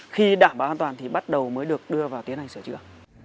khi đảm bảo an toàn thì bắt đầu mới được đưa vào tiến hành sửa chữa